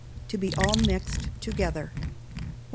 To be all mixed together. 1679.